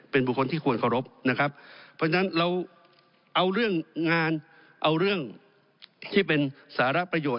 เพราะฉะนั้นเราเอาเรื่องงานเอาเรื่องที่เป็นสารประโยชน์